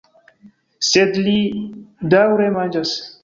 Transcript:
Sed ri daŭre manĝas.